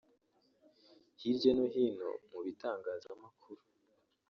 Hirya no hino mu bitangazamakuru